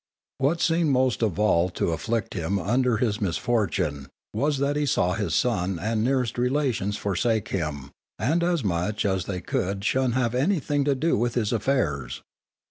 What seemed most of all to afflict him under his misfortune was that be saw his son and nearest relations forsake him, and as much as they could shun having anything to do with his affairs.